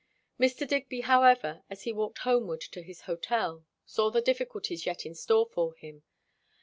Mr. Digby however, as he walked homeward to his hotel, saw the difficulties yet in store for him.